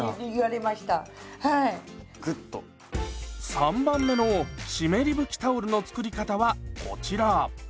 ３番目の湿り拭きタオルの作り方はこちら。